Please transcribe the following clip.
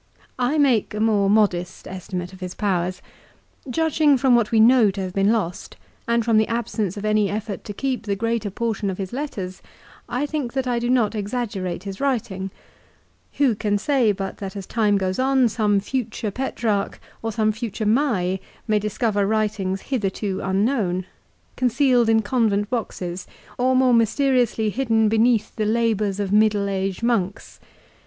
I make a more modest estimate of his powers. Judging from what we know to have been lost, and from the absence of any effort to keep the greater portion of his letters, I think that I do not exaggerate his writing. Who can say but that as time goes on some future Petrarch or some future Mai may discover writings hitherto unknown, concealed in convent boxes, or more mysteriously hidden beneath the labours of middle age monks